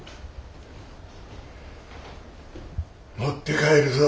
持って帰るぞ。